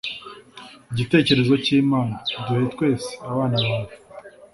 gitekerezo cy'imana. duhe twese, abana bawe